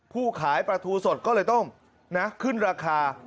ผู้ขายปลาทูสดก็เลยต้องขึ้นราคา